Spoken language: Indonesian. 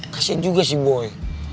kasian juga si boi